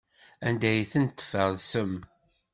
Anda ay tent-tfersem?